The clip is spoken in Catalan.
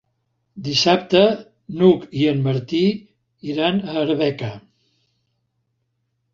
Dissabte n'Hug i en Martí iran a Arbeca.